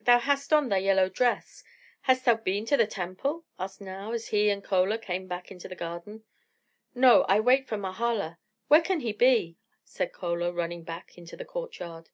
"Thou hast on thy yellow dress. Hast thou been to the temple?" asked Nao, as he and Chola came back into the garden. "No, I wait for Mahala. Where can he be?" said Chola, running back into the courtyard.